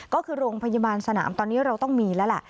ก็คือโรงพยาบาลสนามตอนนี้เราต้องมีแล้วแหละ